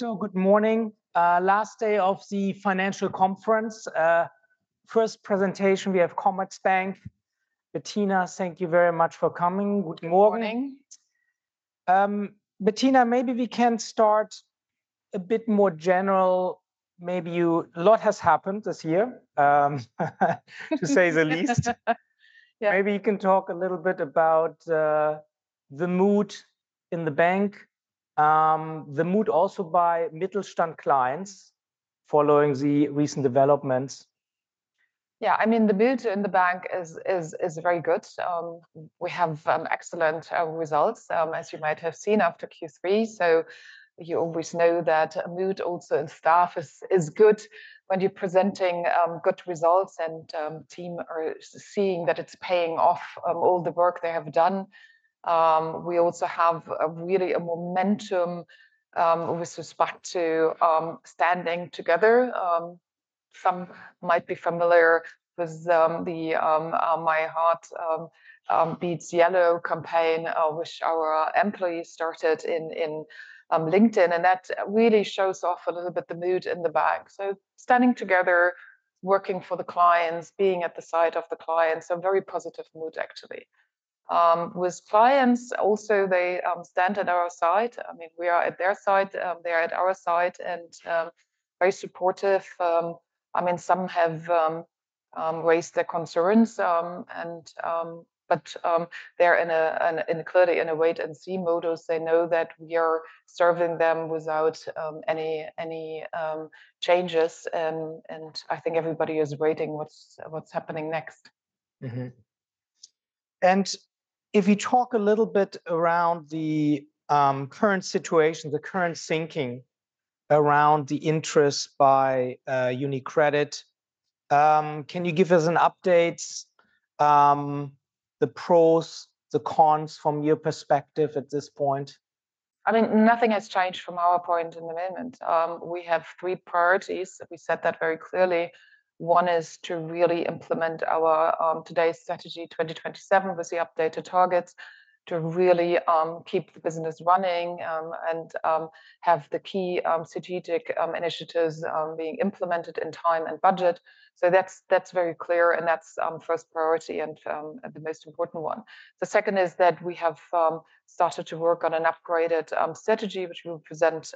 So, good morning. Last day of the financial conference. First presentation, we have Commerzbank. Bettina, thank you very much for coming. Guten Morgen. Bettina, maybe we can start a bit more general. Maybe a lot has happened this year, to say the least. Maybe you can talk a little bit about the mood in the bank, the mood also by Mittelstand clients following the recent developments. Yeah, I mean, the mood in the bank is very good. We have excellent results, as you might have seen after Q3. So you always know that mood also in staff is good when you're presenting good results and teams are seeing that it's paying off all the work they have done. We also have really a momentum with respect to standing together. Some might be familiar with the My heart beats yellow campaign, which our employees started in LinkedIn. And that really shows off a little bit the mood in the bank. So standing together, working for the clients, being at the side of the clients, a very positive mood, actually. With clients, also, they stand at our side. I mean, we are at their side, they are at our side, and very supportive. I mean, some have raised their concerns, but they're clearly in a wait-and-see mode. They know that we are serving them without any changes, and I think everybody is waiting for what's happening next. If you talk a little bit around the current situation, the current thinking around the interest by UniCredit, can you give us an update, the pros, the cons from your perspective at this point? I mean, nothing has changed from our point in the moment. We have three priorities. We said that very clearly. One is to really implement our today's strategy, 2027, with the updated targets to really keep the business running and have the key strategic initiatives being implemented in time and budget. So that's very clear, and that's first priority and the most important one. The second is that we have started to work on an upgraded strategy, which we will present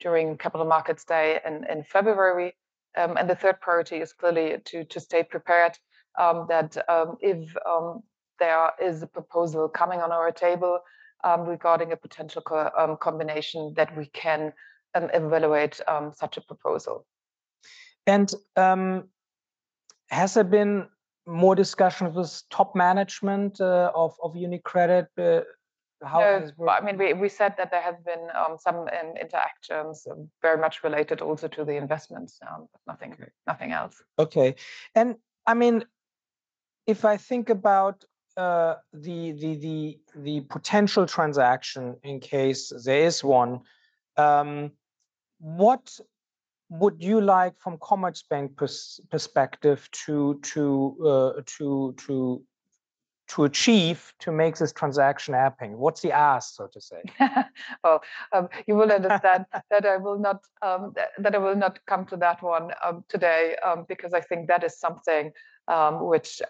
during Capital Markets Day in February. And the third priority is clearly to stay prepared that if there is a proposal coming on our table regarding a potential combination, that we can evaluate such a proposal. Has there been more discussion with top management of UniCredit? I mean, we said that there have been some interactions very much related also to the investments, but nothing else. Okay, and I mean, if I think about the potential transaction, in case there is one, what would you like from Commerzbank's perspective to achieve to make this transaction happen? What's the ask, so to say? Oh, you will understand that I will not come to that one today because I think that is something which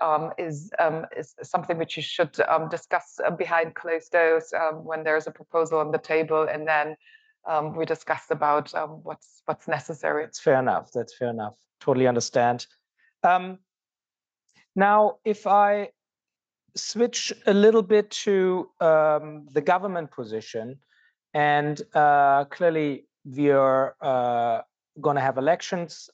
you should discuss behind closed doors when there is a proposal on the table, and then we discuss about what's necessary. That's fair enough. That's fair enough. Totally understand. Now, if I switch a little bit to the government position, and clearly we are going to have elections.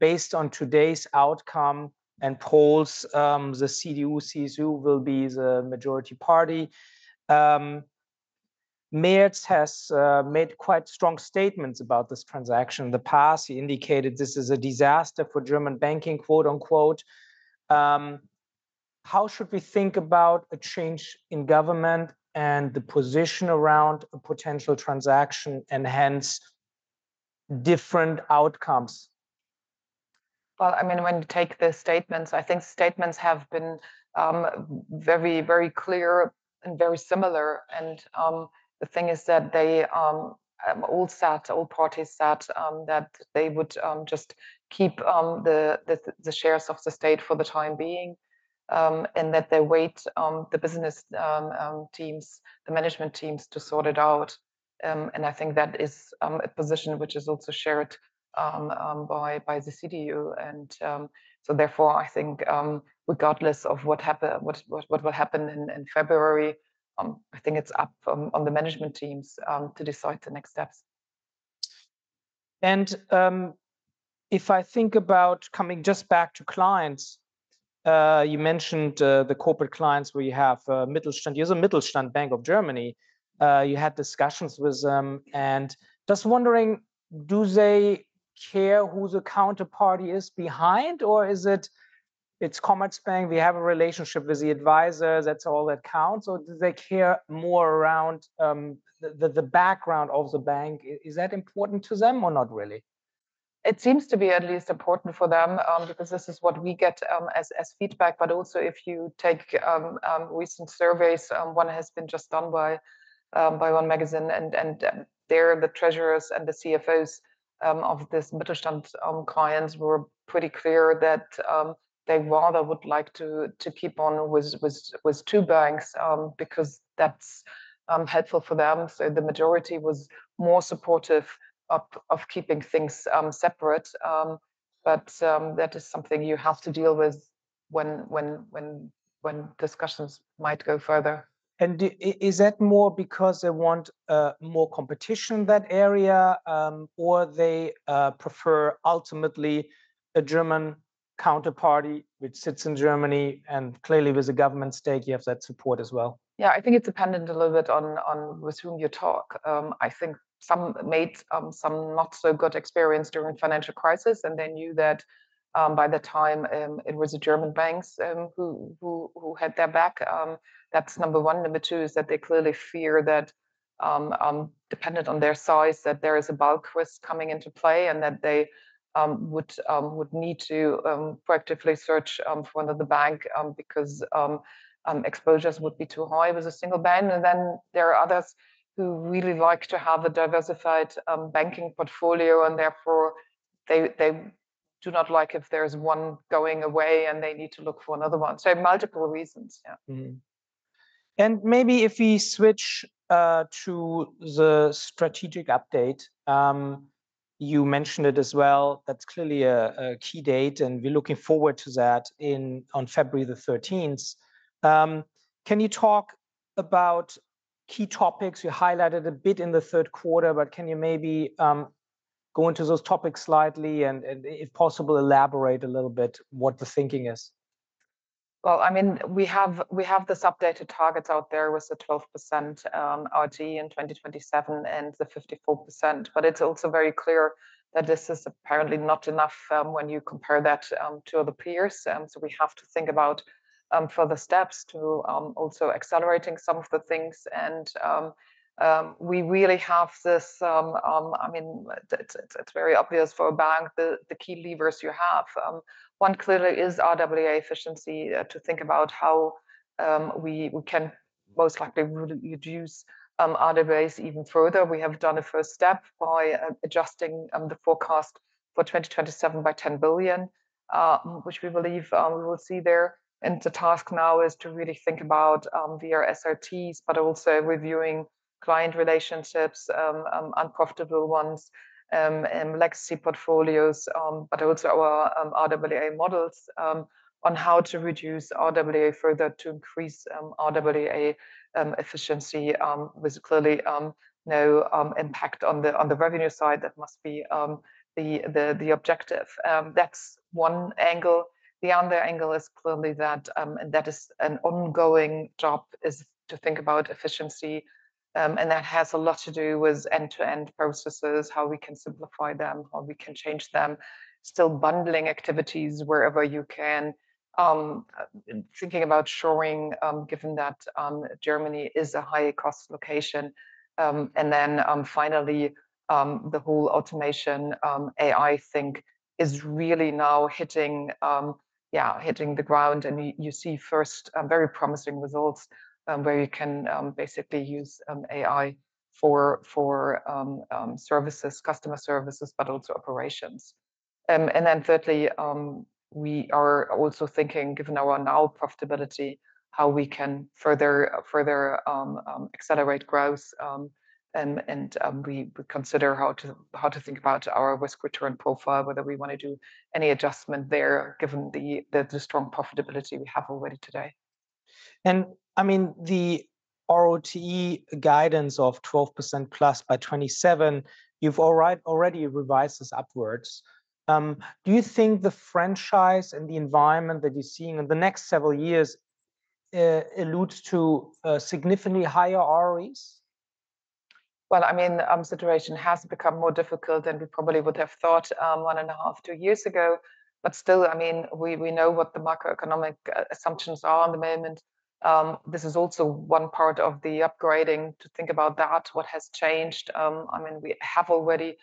Based on today's outcome and polls, the CDU/CSU will be the majority party. Merz has made quite strong statements about this transaction in the past. He indicated this is a disaster for German banking, quote unquote. How should we think about a change in government and the position around a potential transaction and hence different outcomes? Well, I mean, when you take the statements, I think statements have been very, very clear and very similar. And the thing is that all parties thought that they would just keep the shares of the state for the time being and that they wait on the business teams, the management teams to sort it out. And I think that is a position which is also shared by the CDU. And so therefore, I think regardless of what will happen in February, I think it's up on the management teams to decide the next steps. And if I think about coming just back to clients, you mentioned the corporate clients where you have Mittelstand. You're the Mittelstand Bank of Germany. You had discussions with them. And just wondering, do they care who the counterparty is behind, or is it, it's Commerzbank, we have a relationship with the advisor, that's all that counts, or do they care more around the background of the bank? Is that important to them or not really? It seems to be at least important for them because this is what we get as feedback, but also, if you take recent surveys, one has been just done by one magazine, and there, the treasurers and the CFOs of these Mittelstand clients were pretty clear that they rather would like to keep on with two banks because that's helpful for them, so the majority was more supportive of keeping things separate, but that is something you have to deal with when discussions might go further. Is that more because they want more competition in that area, or they prefer ultimately a German counterparty which sits in Germany? Clearly, with the government stake, you have that support as well. Yeah, I think it depended a little bit on with whom you talk. I think some made some not so good experience during the financial crisis, and they knew that by the time it was the German banks who had their back. That's number one. Number two is that they clearly fear that dependent on their size, that there is a [Basel IV] coming into play and that they would need to proactively search for another bank because exposures would be too high with a single bank. And then there are others who really like to have a diversified banking portfolio, and therefore they do not like if there's one going away and they need to look for another one. So multiple reasons. Maybe if we switch to the strategic update, you mentioned it as well. That's clearly a key date, and we're looking forward to that on February the 13th. Can you talk about key topics? You highlighted a bit in the third quarter, but can you maybe go into those topics slightly and, if possible, elaborate a little bit what the thinking is? I mean, we have this updated target out there with the 12% RoTE in 2027 and the 54%, but it's also very clear that this is apparently not enough when you compare that to other peers. We have to think about further steps to also accelerating some of the things. We really have this, I mean, it's very obvious for a bank, the key levers you have. One clearly is RWA efficiency to think about how we can most likely reduce RWAs even further. We have done a first step by adjusting the forecast for 2027 by 10 billion, which we believe we will see there. The task now is to really think about VRSRTs, but also reviewing client relationships, uncomfortable ones, legacy portfolios, but also our RWA models on how to reduce RWA further to increase RWA efficiency with clearly no impact on the revenue side. That must be the objective. That's one angle. The other angle is clearly that, and that is an ongoing job, is to think about efficiency. And that has a lot to do with end-to-end processes, how we can simplify them, how we can change them, still bundling activities wherever you can, thinking about offshoring, given that Germany is a high-cost location. And then finally, the whole automation, AI, I think, is really now hitting, yeah, hitting the ground. And you see first very promising results where you can basically use AI for services, customer services, but also operations. Then, thirdly, we are also thinking, given our now profitability, how we can further accelerate growth. We consider how to think about our risk return profile, whether we want to do any adjustment there given the strong profitability we have already today. I mean, the RoTE guidance of 12%+ by 2027, you've already revised this upwards. Do you think the franchise and the environment that you're seeing in the next several years alludes to significantly higher RoTEs? Well, I mean, the situation has become more difficult than we probably would have thought one and a half, two years ago. But still, I mean, we know what the macroeconomic assumptions are in the moment. This is also one part of the upgrading to think about that, what has changed. I mean, we have already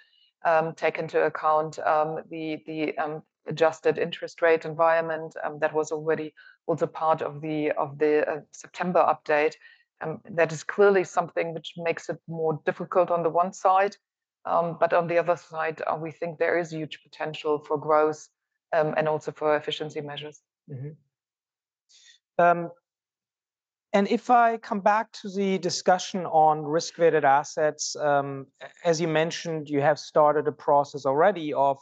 taken into account the adjusted interest rate environment that was already also part of the September update. That is clearly something which makes it more difficult on the one side. But on the other side, we think there is huge potential for growth and also for efficiency measures. If I come back to the discussion on risk-weighted assets, as you mentioned, you have started a process already of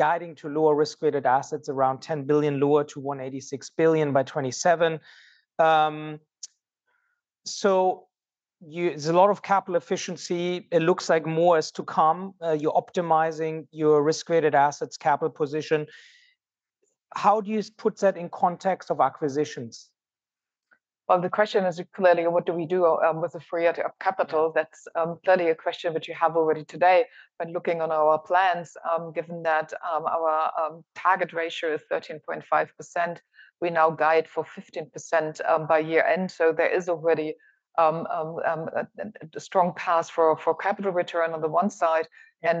guiding to lower risk-weighted assets around 10 billion lower to 186 billion by 2027. So there's a lot of capital efficiency. It looks like more is to come. You're optimizing your risk-weighted assets capital position. How do you put that in context of acquisitions? The question is clearly, what do we do with the free capital? That's clearly a question which you have already today. But looking on our plans, given that our target ratio is 13.5%, we now guide for 15% by year end. So there is already a strong path for capital return on the one side.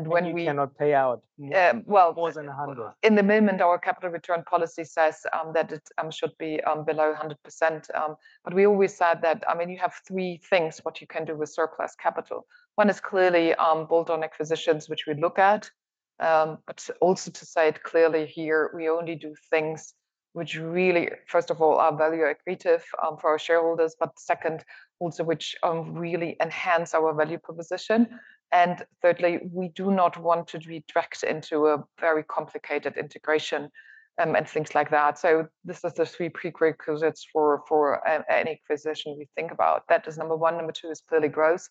When we cannot pay out more than 100. In the moment, our capital return policy says that it should be below 100%. But we always said that, I mean, you have three things what you can do with surplus capital. One is clearly bolt-on acquisitions, which we look at. But also to say it clearly here, we only do things which really, first of all, are value-accretive for our shareholders, but second, also which really enhance our value proposition. And thirdly, we do not want to get directly into a very complicated integration and things like that. So these are the three prerequisites for any acquisition we think about. That is number one. Number two is clearly growth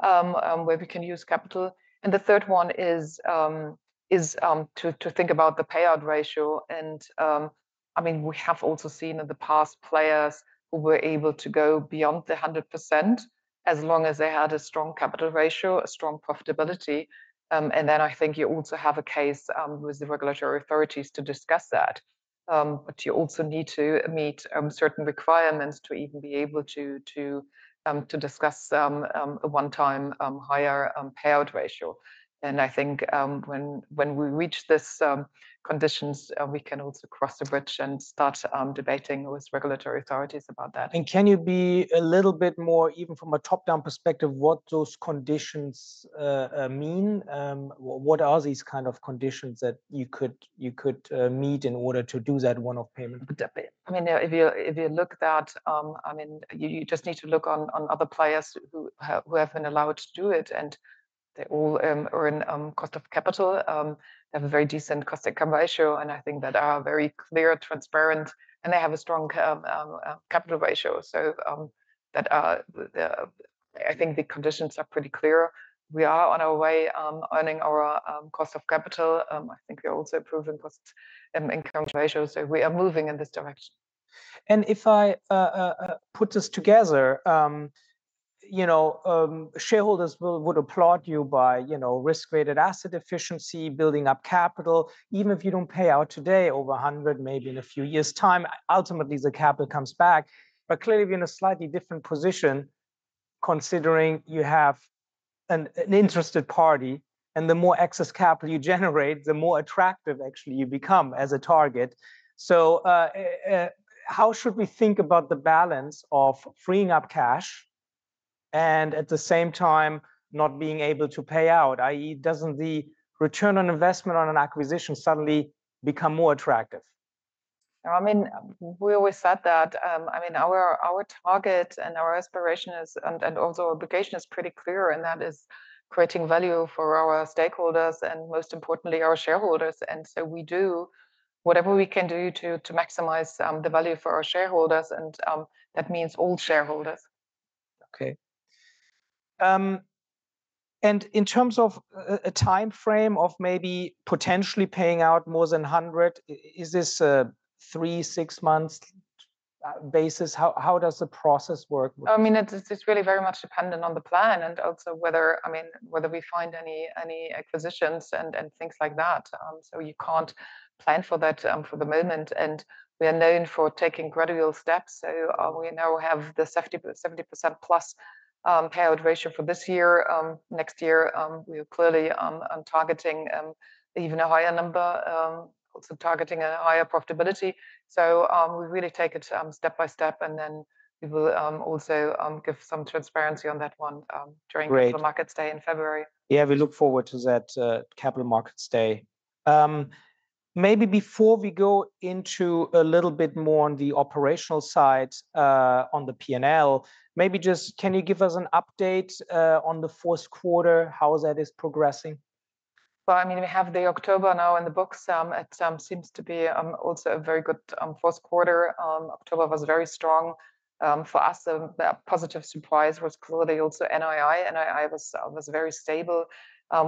where we can use capital. And the third one is to think about the payout ratio. And I mean, we have also seen in the past players who were able to go beyond the 100% as long as they had a strong capital ratio, a strong profitability. And then I think you also have a case with the regulatory authorities to discuss that. But you also need to meet certain requirements to even be able to discuss a one-time higher payout ratio. And I think when we reach these conditions, we can also cross the bridge and start debating with regulatory authorities about that. And can you be a little bit more, even from a top-down perspective, what those conditions mean? What are these kind of conditions that you could meet in order to do that one-off payment? I mean, if you look at that, I mean, you just need to look on other players who have been allowed to do it, and they all earn cost of capital. They have a very decent cost-income ratio, and I think they are very clear, transparent, and they have a strong capital ratio, so I think the conditions are pretty clear. We are on our way earning our cost of capital. I think we're also improving cost-income ratio, so we are moving in this direction. And if I put this together, you know, shareholders would applaud you by risk-weighted asset efficiency, building up capital. Even if you don't pay out today over 100, maybe in a few years' time, ultimately the capital comes back. But clearly, we're in a slightly different position considering you have an interested party. And the more excess capital you generate, the more attractive actually you become as a target. So how should we think about the balance of freeing up cash and at the same time not being able to pay out? i.e., doesn't the return on investment on an acquisition suddenly become more attractive? I mean, we always said that. I mean, our target and our aspiration and also obligation is pretty clear. And that is creating value for our stakeholders and most importantly, our shareholders. And so we do whatever we can do to maximize the value for our shareholders. And that means all shareholders. Okay, and in terms of a timeframe of maybe potentially paying out more than 100, is this a three, six months basis? How does the process work? I mean, it's really very much dependent on the plan and also whether we find any acquisitions and things like that. So you can't plan for that for the moment. And we are known for taking gradual steps. So we now have the 70%+ payout ratio for this year. Next year, we are clearly targeting even a higher number, also targeting a higher profitability. So we really take it step by step. And then we will also give some transparency on that one during the Capital Markets Day in February. Yeah, we look forward to that Capital Markets Day. Maybe before we go into a little bit more on the operational side on the P&L, maybe just can you give us an update on the fourth quarter, how that is progressing? Well, I mean, we have the October now in the books. It seems to be also a very good fourth quarter. October was very strong for us. The positive surprise was clearly also NII. NII was very stable.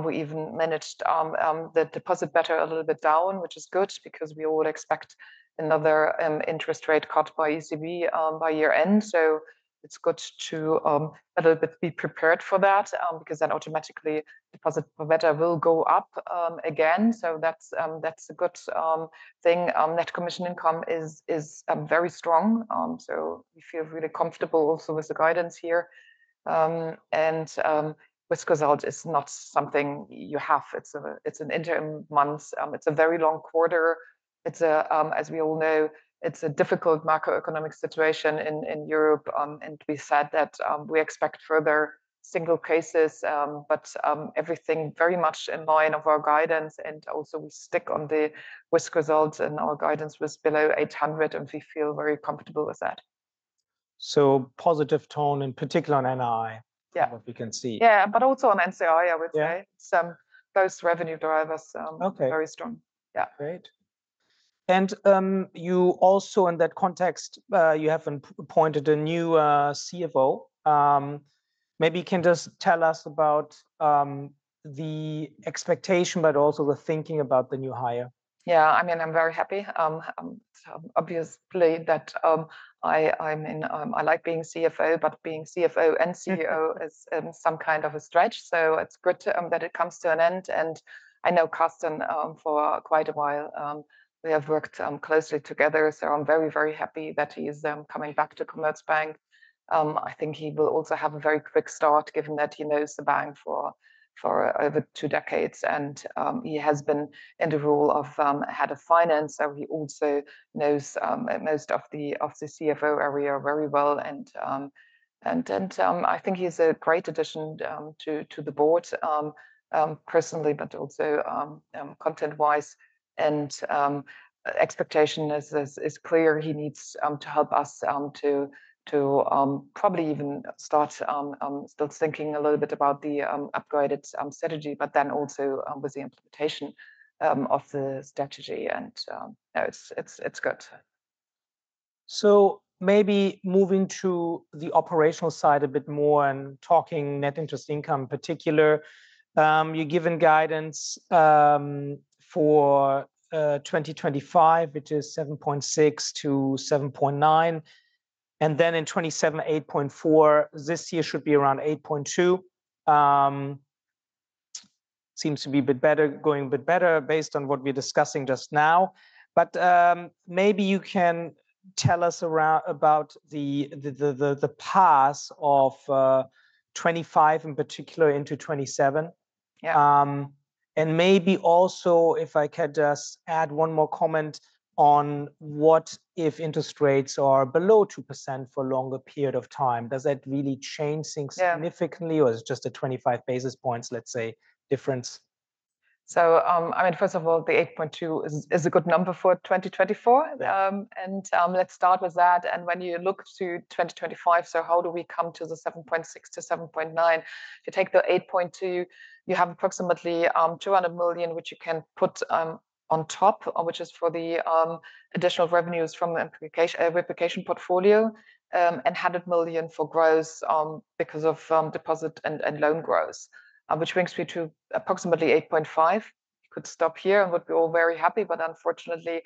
We even managed the deposit beta a little bit down, which is good because we would expect another interest rate cut by ECB by year end. So it's good to a little bit be prepared for that because then automatically deposit beta will go up again. So that's a good thing. Net commission income is very strong. So we feel really comfortable also with the guidance here. Risk result is not something you have. It's an interim month. It's a very long quarter. As we all know, it's a difficult macroeconomic situation in Europe. We said that we expect further single cases, but everything very much in line with our guidance. Also we stick to the risk result and our guidance was below 800. We feel very comfortable with that. So positive tone in particular on NII, what we can see. Yeah, but also on NCI, I would say. Those revenue drivers are very strong. Yeah. Great. And you also in that context, you have appointed a new CFO. Maybe you can just tell us about the expectation, but also the thinking about the new hire. Yeah, I mean, I'm very happy. Obviously that I like being CFO, but being CFO and CEO is some kind of a stretch, so it's good that it comes to an end, and I know Carsten for quite a while. We have worked closely together, so I'm very, very happy that he is coming back to Commerzbank. I think he will also have a very quick start given that he knows the bank for over two decades, and he has been in the role of head of finance, so he also knows most of the CFO area very well. I think he's a great addition to the board personally, but also content-wise, and expectation is clear. He needs to help us to probably even start still thinking a little bit about the upgraded strategy, but then also with the implementation of the strategy, and it's good. So maybe moving to the operational side a bit more and talking net interest income in particular, you're given guidance for 2025, which is 7.6 billion-7.9 billion. And then in 2027, 8.4 billion. This year should be around 8.2 billion. Seems to be a bit better, going a bit better based on what we're discussing just now. But maybe you can tell us about the path of 2025 in particular into 2027. And maybe also if I could just add one more comment on what if interest rates are below 2% for a longer period of time. Does that really change things significantly or is it just a 25 basis points, let's say, difference? So I mean, first of all, the 8.2 billion is a good number for 2024. And let's start with that. And when you look to 2025, so how do we come to the 7.6 billion-7.9 billion? If you take the 8.2 billion, you have approximately 200 million, which you can put on top, which is for the additional revenues from the replication portfolio, and 100 million for growth because of deposit and loan growth, which brings you to approximately 8.5 billion. You could stop here and would be all very happy. But unfortunately,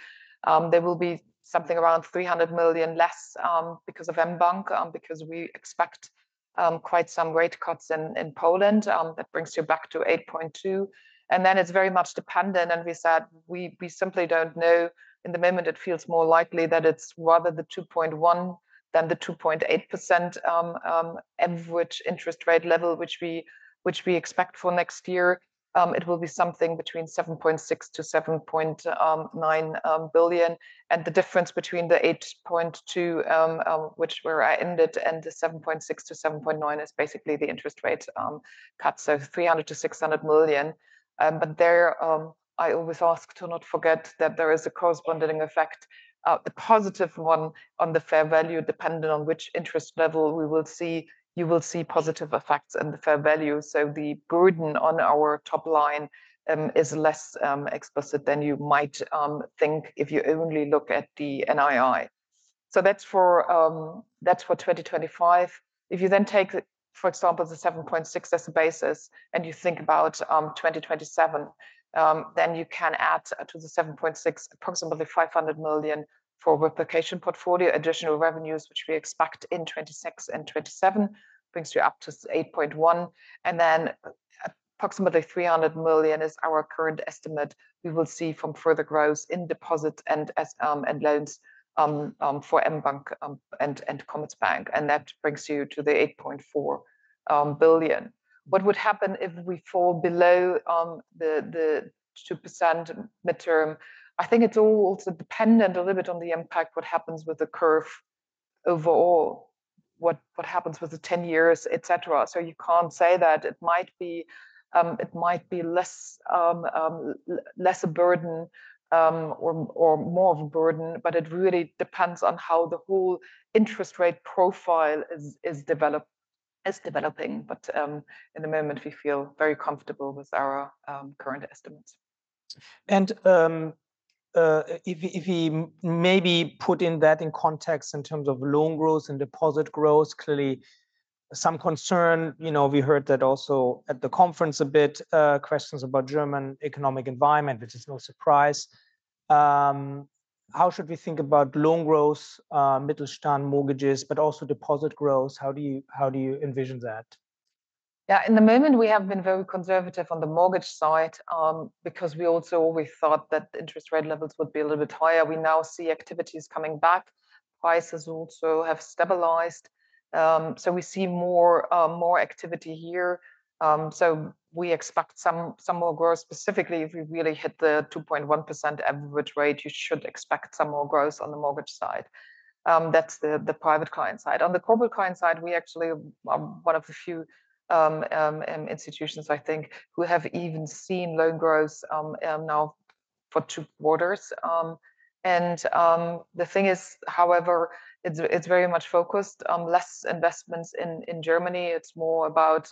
there will be something around 300 million less because of mBank, because we expect quite some rate cuts in Poland. That brings you back to 8.2 billion. And then it's very much dependent. And we said we simply don't know. In the moment, it feels more likely that it's rather the 2.1% than the 2.8% average interest rate level, which we expect for next year. It will be something between 7.6 billion-7.9 billion. And the difference between the 8.2 billion, which where I ended, and the 7.6 billion- 7.9 billion is basically the interest rate cut, so 300 million-600 million. But there I always ask to not forget that there is a corresponding effect, the positive one on the fair value, depending on which interest level we will see, you will see positive effects in the fair value. So the burden on our top line is less explicit than you might think if you only look at the NII. So that's for 2025. If you then take, for example, the 7.6 billion as a basis and you think about 2027, then you can add to the 7.6 billion approximately 500 million for replication portfolio, additional revenues, which we expect in 2026 and 2027; that brings you up to 8.1 billion. And then approximately 300 million is our current estimate. We will see from further growth in deposit and loans for mBank and Commerzbank, and that brings you to the 8.4 billion. What would happen if we fall below the 2% midterm? I think it's all also dependent a little bit on the impact, what happens with the curve overall, what happens with the 10 years, et cetera. So you can't say that it might be less a burden or more of a burden, but it really depends on how the whole interest rate profile is developing. But in the moment, we feel very comfortable with our current estimates. If we maybe put that in context in terms of loan growth and deposit growth, clearly some concern. We heard that also at the conference a bit, questions about German economic environment, which is no surprise. How should we think about loan growth, Mittelstand mortgages, but also deposit growth? How do you envision that? Yeah, in the moment, we have been very conservative on the mortgage side because we also always thought that the interest rate levels would be a little bit higher. We now see activities coming back. Prices also have stabilized. So we see more activity here. So we expect some more growth. Specifically, if we really hit the 2.1% average rate, you should expect some more growth on the mortgage side. That's the private client side. On the corporate client side, we actually are one of the few institutions, I think, who have even seen loan growth now for two quarters. And the thing is, however, it's very much focused on less investments in Germany. It's more about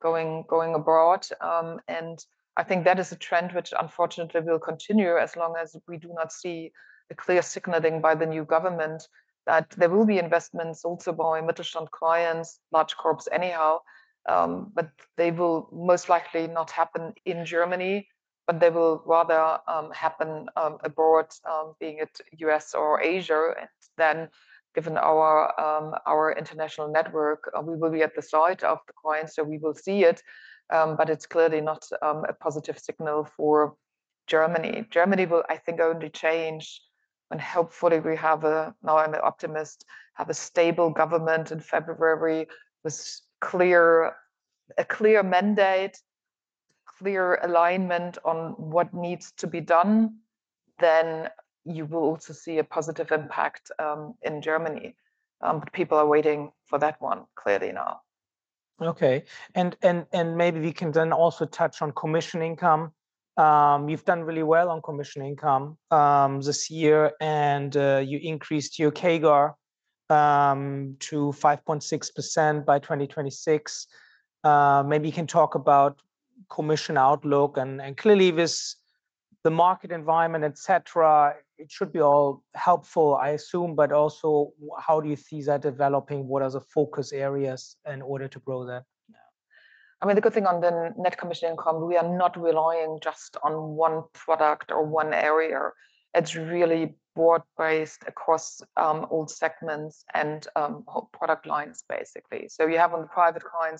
going abroad. And I think that is a trend which unfortunately will continue as long as we do not see a clear signaling by the new government that there will be investments also by Mittelstand clients, large corps anyhow. But they will most likely not happen in Germany, but they will rather happen abroad, be it U.S. or Asia. Then given our international network, we will be at the side of the clients, so we will see it. But it's clearly not a positive signal for Germany. Germany will, I think, only change when hopefully we have a, now I'm an optimist, have a stable government in February with a clear mandate, clear alignment on what needs to be done. Then you will also see a positive impact in Germany. But people are waiting for that, clearly now. Okay, and maybe we can then also touch on commission income. You've done really well on commission income this year, and you increased your CAGR to 5.6% by 2026. Maybe you can talk about commission outlook, and clearly, with the market environment, et cetera, it should be all helpful, I assume, but also how do you see that developing? What are the focus areas in order to grow that? I mean, the good thing on the net commission income, we are not relying just on one product or one area. It's really broad-based across all segments and product lines, basically. So you have on the private client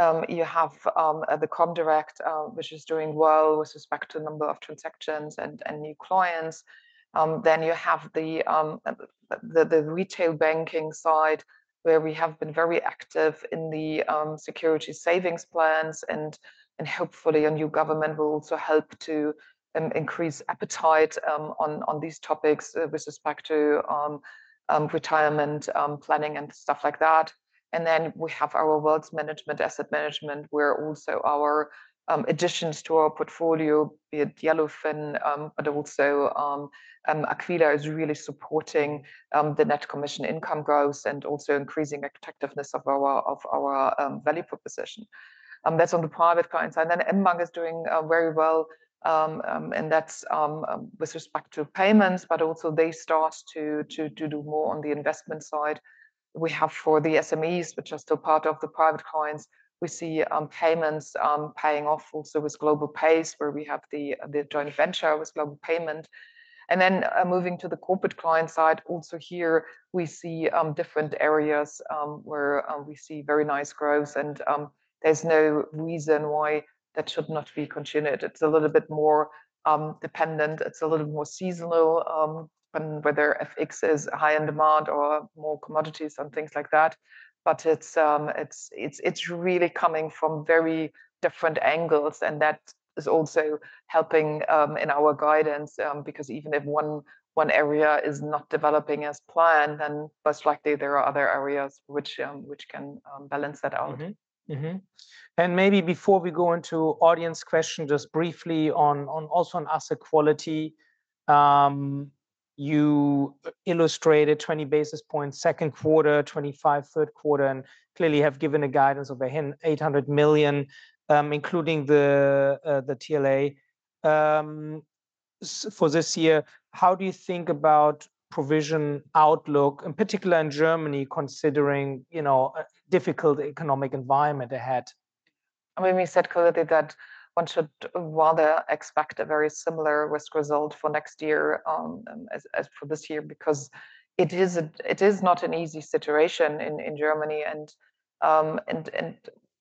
side, you have the comdirect, which is doing well with respect to number of transactions and new clients. Then you have the retail banking side where we have been very active in the securities savings plans. And hopefully, a new government will also help to increase appetite on these topics with respect to retirement planning and stuff like that. And then we have our wealth management, asset management, where also our additions to our portfolio, be it Yellowfin, but also Aquila is really supporting the net commission income growth and also increasing effectiveness of our value proposition. That's on the private client side. Then mBank is doing very well. And that's with respect to payments, but also they start to do more on the investment side. We have for the SMEs, which are still part of the private clients, we see payments paying off also with Globalpay, where we have the joint venture with Global Payments. And then moving to the corporate client side, also here we see different areas where we see very nice growth. And there's no reason why that should not be continued. It's a little bit more dependent. It's a little more seasonal, whether FX is high in demand or more commodities and things like that. But it's really coming from very different angles. And that is also helping in our guidance because even if one area is not developing as planned, then most likely there are other areas which can balance that out. Maybe before we go into audience questions, just briefly on also on asset quality, you illustrated 20 basis points, second quarter, 25 basis ponts, third quarter, and clearly have given a guidance of 800 million, including the TLA for this year. How do you think about provision outlook, in particular in Germany, considering a difficult economic environment ahead? I mean, we said clearly that one should rather expect a very similar risk result for next year as for this year because it is not an easy situation in Germany. And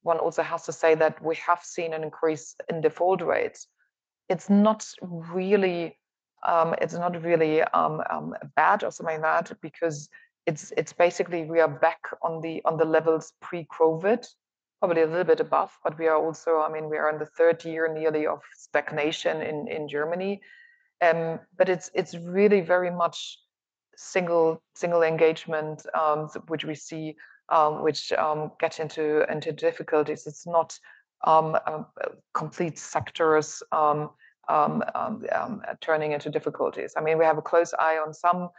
one also has to say that we have seen an increase in default rates. It's not really bad or something like that because it's basically we are back on the levels pre-COVID, probably a little bit above. But we are also, I mean, we are in the third year nearly of stagnation in Germany. But it's really very much single engagement, which we see, which gets into difficulties. It's not complete sectors turning into difficulties. I mean, we have a close eye on some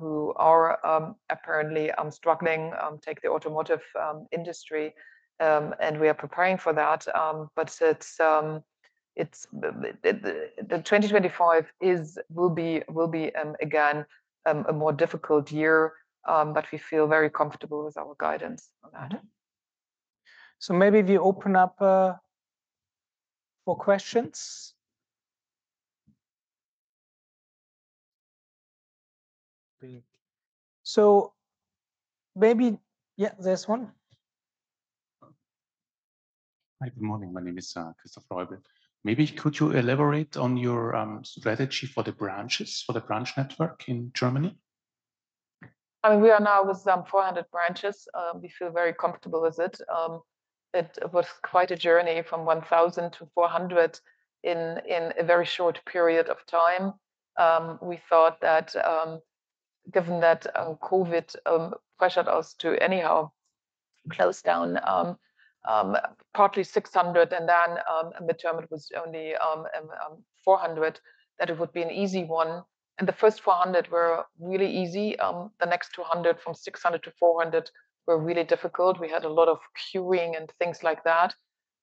who are apparently struggling, take the automotive industry. And we are preparing for that. But the 2025 will be again a more difficult year. But we feel very comfortable with our guidance on that. Maybe if you open up for questions. Yeah, there's one. Hi, good morning. My name is Christoph [Wortig]. Maybe could you elaborate on your strategy for the branches, for the branch network in Germany? I mean, we are now with 400 branches. We feel very comfortable with it. It was quite a journey from 1,000 to 400 in a very short period of time. We thought that given that COVID pressured us to anyhow close down, partly 600, and then midterm was only 400, that it would be an easy one. And the first 400 were really easy. The next 200, from 600 to 400, were really difficult. We had a lot of queuing and things like that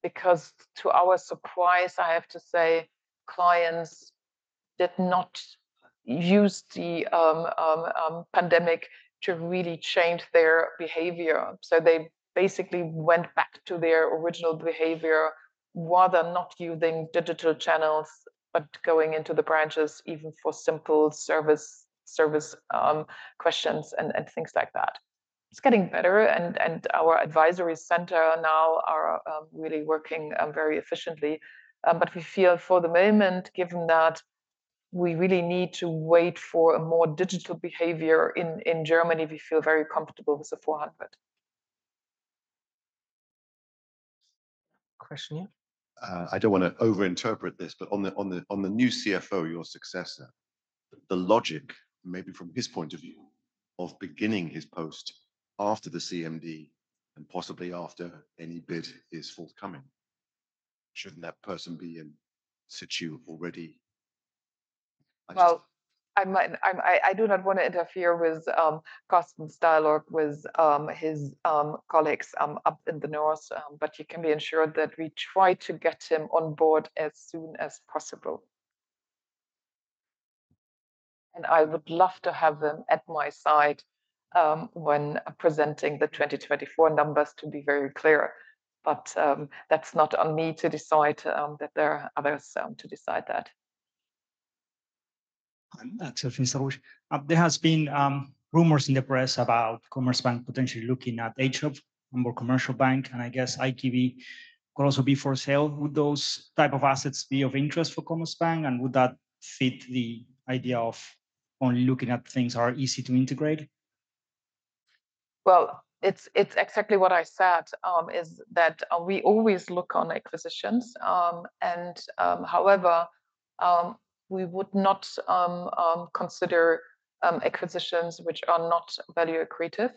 because to our surprise, I have to say, clients did not use the pandemic to really change their behavior. So they basically went back to their original behavior, rather than not using digital channels, but going into the branches even for simple service questions and things like that. It's getting better. And our advisory center now are really working very efficiently. But we feel for the moment, given that we really need to wait for a more digital behavior in Germany, we feel very comfortable with the 400. Question, yeah? I don't want to overinterpret this, but on the new CFO, your successor, the logic, maybe from his point of view, of beginning his post after the CMD and possibly after any bid is forthcoming, shouldn't that person be in situ already? I do not want to interfere with boss's dialogue with his colleagues up in the north, but you can be assured that we try to get him on board as soon as possible. I would love to have him at my side when presenting the 2024 numbers, to be very clear. That's not on me to decide, that there are others to decide that. Thanks, [Christiane Vorspel]. There has been rumors in the press about Commerzbank potentially looking at [HCOB] Commercial Bank. And I guess IKB could also be for sale. Would those types of assets be of interest for Commerzbank? And would that fit the idea of only looking at things that are easy to integrate? It's exactly what I said, is that we always look on acquisitions. However, we would not consider acquisitions which are not value accretive.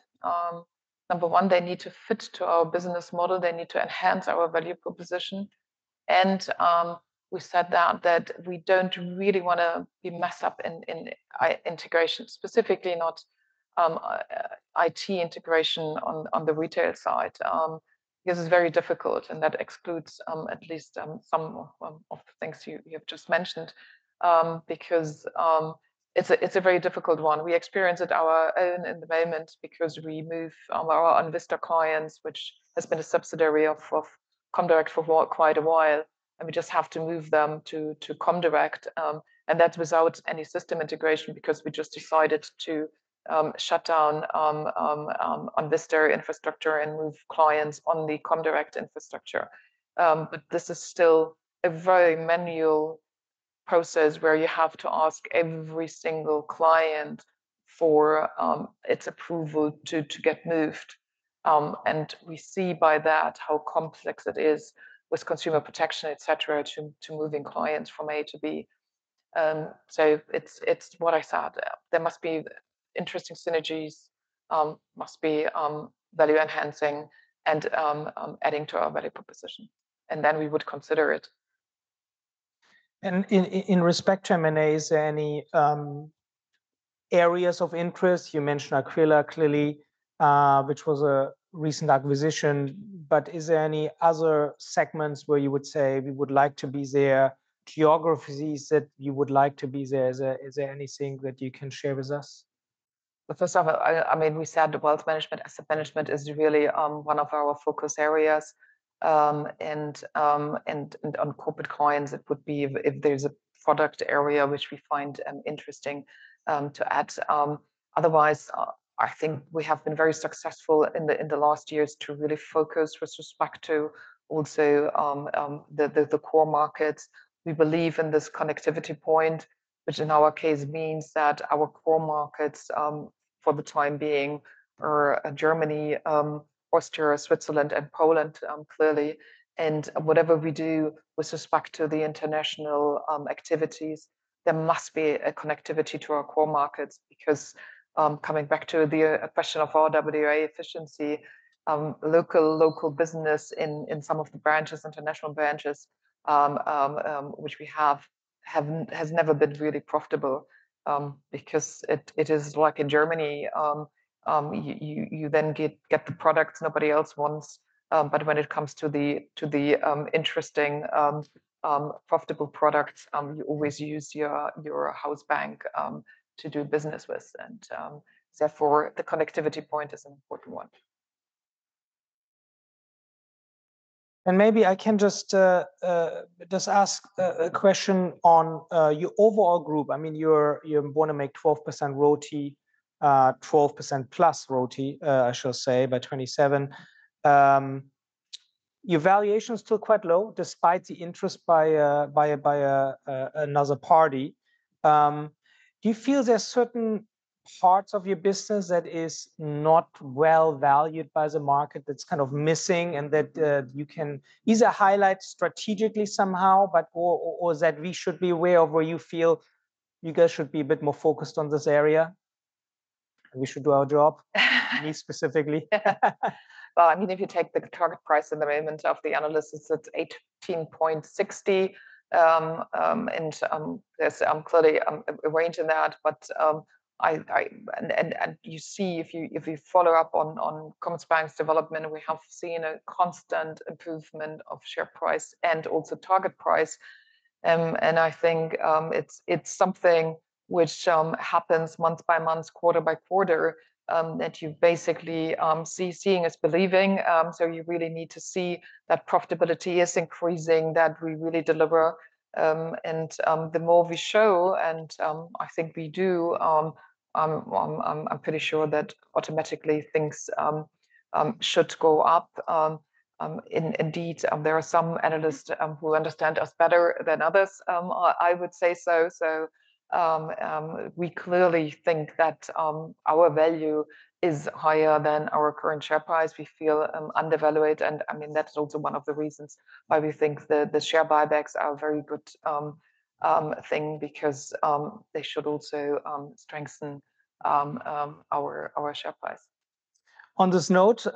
Number one, they need to fit to our business model. They need to enhance our value proposition. We said that we don't really want to be messed up in integration, specifically not IT integration on the retail side. This is very difficult. That excludes at least some of the things you have just mentioned because it's a very difficult one. We're experiencing it on our own at the moment because we move our onvista clients, which has been a subsidiary of comdirect for quite a while. We just have to move them to comdirect. That's without any system integration because we just decided to shut down onvista infrastructure and move clients on the comdirect infrastructure. But this is still a very manual process where you have to ask every single client for its approval to get moved, and we see by that how complex it is with consumer protection, et cetera, to moving clients from A to B, so it's what I said. There must be interesting synergies, must be value enhancing, and adding to our value proposition, and then we would consider it. In respect to M&A, is there any areas of interest? You mentioned Aquila clearly, which was a recent acquisition. But is there any other segments where you would say we would like to be there, geographies that you would like to be there? Is there anything that you can share with us? First off, I mean, we said wealth management, asset management is really one of our focus areas. On corporate clients, it would be if there's a product area which we find interesting to add. Otherwise, I think we have been very successful in the last years to really focus with respect to also the core markets. We believe in this connectivity point, which in our case means that our core markets for the time being are Germany, Austria, Switzerland, and Poland, clearly. Whatever we do with respect to the international activities, there must be a connectivity to our core markets because coming back to the question of our RWA efficiency, local business in some of the branches, international branches, which we have, has never been really profitable because it is like in Germany, you then get the products nobody else wants. But when it comes to the interesting, profitable products, you always use your house bank to do business with. And therefore, the connectivity point is an important one. Maybe I can just ask a question on your overall group. I mean, you're on to make 12% RoTE, 12%+ RoTE, I should say, by 2027. Your valuation is still quite low despite the interest by another party. Do you feel there are certain parts of your business that are not well valued by the market that are kind of missing and that you can either highlight strategically somehow, or that we should be aware of where you feel you guys should be a bit more focused on this area? We should do our job, me specifically. I mean, if you take the target price at the moment from the analysts, it's at 18.60. And there's clearly a range in that. But you see, if you follow up on Commerzbank's development, we have seen a constant improvement of share price and also target price. And I think it's something which happens month by month, quarter by quarter, that you basically seeing is believing. So you really need to see that profitability is increasing, that we really deliver. And the more we show, and I think we do, I'm pretty sure that automatically things should go up. Indeed, there are some analysts who understand us better than others, I would say so. So we clearly think that our value is higher than our current share price. We feel undervalued. I mean, that's also one of the reasons why we think the share buybacks are a very good thing because they should also strengthen our share price. On this note,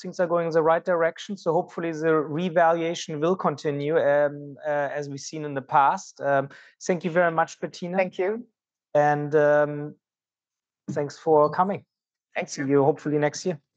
things are going in the right direction. So hopefully, the revaluation will continue as we've seen in the past. Thank you very much, Bettina. Thank you. Thanks for coming. Thank you. See you hopefully next year.